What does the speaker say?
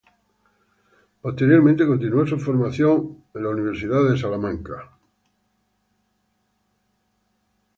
Posteriormente, continuó su formación en el Fitzwilliam College de la Universidad de Cambridge.